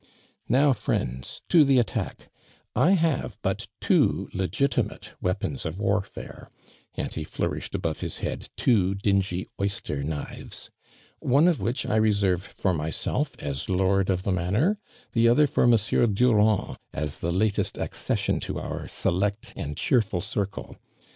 " Now, friends, to the attack I I have but two legitimate weapons of warfare (and he flourished above his head two dingy oyster knives) one of which I reserve for myself, as lord of the manor : the other for Monsieur Durand, as the latest accession to our select and cheerful circle.